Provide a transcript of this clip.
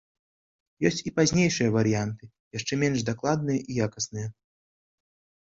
Ёсць і пазнейшыя варыянты, яшчэ менш дакладныя і якасныя.